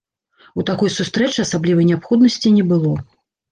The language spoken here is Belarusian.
У такой сустрэчы асаблівай неабходнасці не было.